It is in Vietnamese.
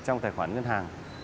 trong tài khoản ngân hàng